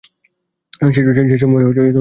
সে-সময় তুমি তার সামনে গিয়েছিলে?